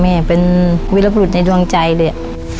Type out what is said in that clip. แม่เป็นวิรบรุษในดวงใจเลย